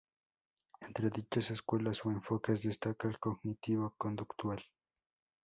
Entre dichas escuelas o enfoques destaca el cognitivo-conductual.